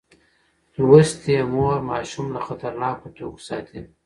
لوستې مور ماشوم له خطرناکو توکو ساتي.